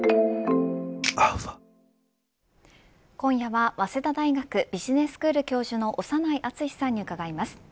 今夜は早稲田大学ビジネススクール教授の長内厚さんに伺います。